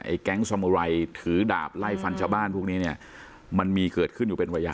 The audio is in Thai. แก๊งสมุไรถือดาบไล่ฟันชาวบ้านพวกนี้เนี่ยมันมีเกิดขึ้นอยู่เป็นระยะ